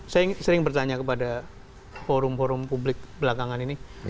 saya sering bertanya kepada forum forum publik belakangan ini